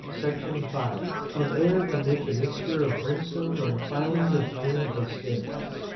SECTION V. _Of AIR in which a mixture of BRIMSTONE and FILINGS of IRON has stood.